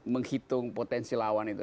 menghitung potensi lawan itu